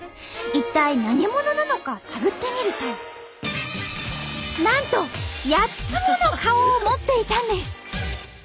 一体何者なのか探ってみるとなんと８つもの顔を持っていたんです！